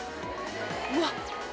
うわっ！